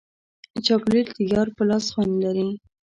چاکلېټ د یار په لاس خوند لري.